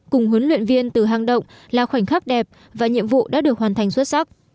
cùng huấn luyện viên từ hang động là khoảnh khắc đẹp và nhiệm vụ đã được hoàn thành xuất sắc